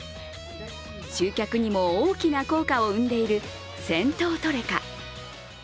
集客にも大きな効果を生んでいる銭湯トレカ。